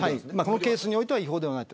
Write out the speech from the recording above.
このケースにおいては違法ではない。